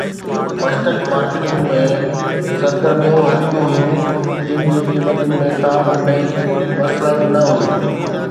مشتق مارڪيٽن ۾ سرگرميون هلڪيون هيون جن جي قيمتن ۾ ڪا به نئين مسئلن نه هئي